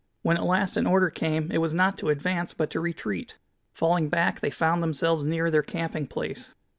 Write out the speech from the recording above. When at last an order came it was not to advance, but to retreat. Falling back, they found themselves near their camping place.